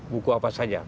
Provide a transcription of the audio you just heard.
buku apa saja